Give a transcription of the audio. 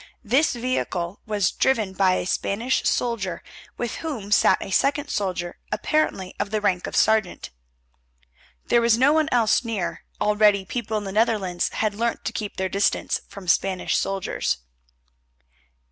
This vehicle was driven by a Spanish soldier, with whom sat a second soldier apparently of the rank of sergeant. There was no one else near; already people in the Netherlands had learnt to keep their distance from Spanish soldiers.